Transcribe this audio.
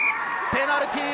ペナルティー！